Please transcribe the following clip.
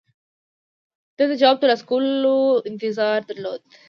ده د جواب د ترلاسه کولو انتظار درلود.